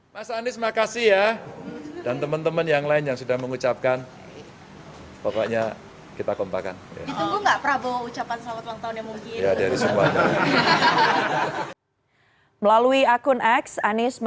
melalui akun x anas mengucapkan pesan berbahasa jawa menyatakan selamat ulang tahun dan berkelakar minta diundang kalau ada makan bersama